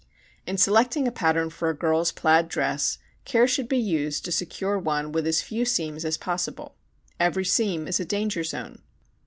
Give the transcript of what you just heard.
In selecting a pattern for a girl's plaid dress care should be used to secure one with as few seams as possible. Every seam is a danger zone.